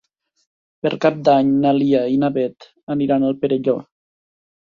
Per Cap d'Any na Lia i na Beth aniran al Perelló.